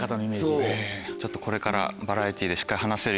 ちょっとこれから。